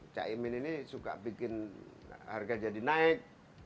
caimin ini suka bikin harga jadi naik